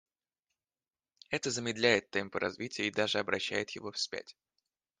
Это замедляет темпы развития и даже обращает его вспять.